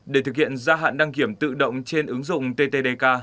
để thực hiện gia hạn đăng kiểm tự động trên ứng dụng ttdk